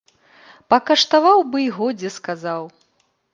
Пакаштаваў бы й годзе сказаў.